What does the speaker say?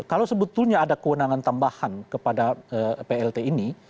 kalau sebetulnya ada kewenangan tambahan kepada plt ini